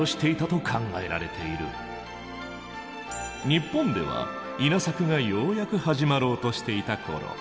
日本では稲作がようやく始まろうとしていた頃。